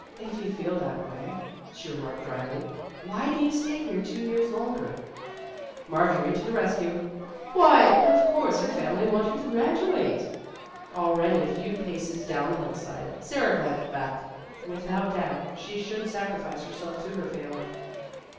"If you feel that way," she remarked dryly, " why do you stay here two years longer ?" Marjorie to the rescue :" Why, of course, her family want her to graduate." Already a few paces down the hillside, Sara glanced back. " Without doubt, she should sacrifice herself to her family."